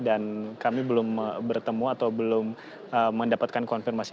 dan kami belum bertemu atau belum mendapatkan konfirmasi